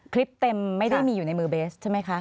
คลิปเต็มไม่ได้มีอยู่ในมือเบสใช่ไหมคะ